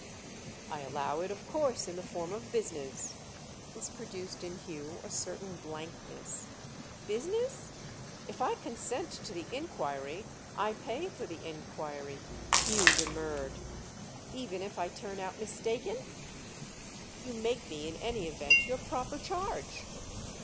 "I allow it of course in the form of business." This produced in Hugh a certain blankness. "'Business'?" "If I consent to the inquiry I pay for the inquiry." Hugh demurred. "Even if I turn out mistaken?" "You make me in any event your proper charge."